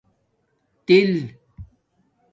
تِل